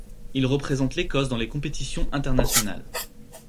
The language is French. Il représente l'Écosse dans les compétitions internationales.